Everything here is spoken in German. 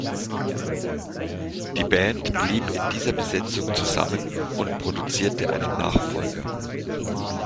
Die Band blieb in dieser Besetzung zusammen und produzierte einen Nachfolger.